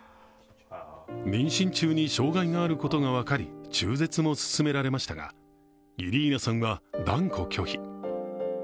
妊娠中に障害があることが分かり中絶も勧められましたがイリーナさんは断固拒否。